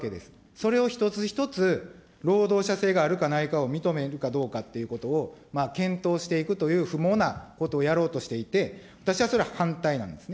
それを一つ一つ労働者性があるかないかを認めるかどうかっていうことを検討していくという不毛なことをやろうとしていて、私はそれは反対なんですね。